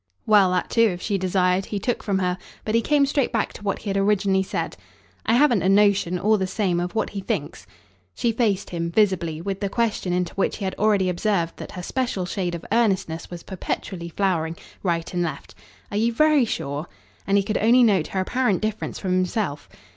Well, that too, if she desired, he took from her; but he came straight back to what he had originally said. "I haven't a notion, all the same, of what he thinks." She faced him, visibly, with the question into which he had already observed that her special shade of earnestness was perpetually flowering, right and left "Are you VERY sure?" and he could only note her apparent difference from himself.